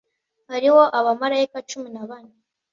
hariho abamarayika cumi na bane